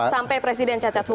sampai presiden cacat hukum